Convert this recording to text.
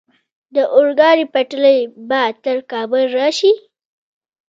د اورګاډي پټلۍ به تر کابل راشي؟